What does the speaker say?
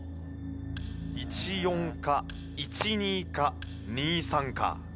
１・４か１・２か２・３か。